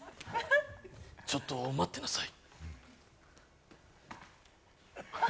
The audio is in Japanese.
ちょっと待ってなさい。